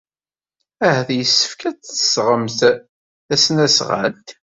Ahat yessefk ad d-tesɣemt tasnasɣalt.